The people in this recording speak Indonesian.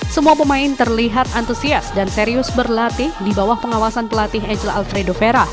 semua pemain terlihat antusias dan serius berlatih di bawah pengawasan pelatih agel alfredo vera